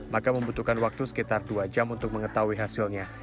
maka membutuhkan waktu sekitar dua jam untuk mengetahui hasilnya